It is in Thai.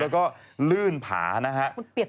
แล้วก็ลื่นผานะฮะ